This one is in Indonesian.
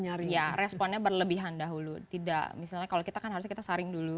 nyari ya responnya berlebihan dahulu tidak misalnya kalau kita kan harusnya kita saring dulu